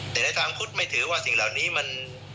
แต่ในทางพุทธไม่ถือว่าสิ่งเหล่านี้มัน